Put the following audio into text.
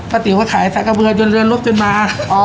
พระติ๋วก็ขายสระเบลอจนเรือนลบจนมาอ๋อ